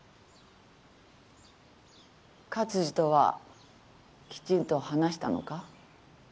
勝二とはきちんと話したのか？